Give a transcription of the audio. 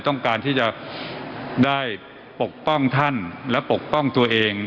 ที่จะได้ปกป้องท่านและปกป้องตัวเอง